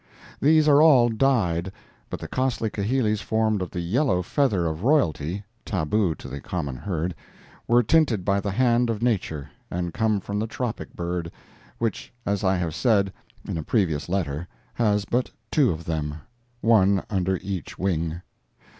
These are all dyed, but the costly kahilis formed of the yellow feather of royalty (tabu to the common herd) were tinted by the hand of nature, and come from the tropic bird, which, as I have said in a previous letter, has but two of them—one under each wing.